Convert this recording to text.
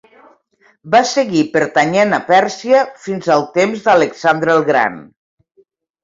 Va seguir pertanyent a Pèrsia fins al temps d'Alexandre el gran.